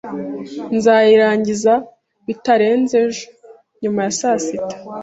Nzayirangiza bitarenze ejo nyuma ya saa sita.